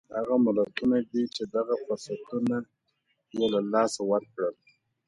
هغه ملتونه دي چې دغه فرصتونه یې له لاسه ورکړل.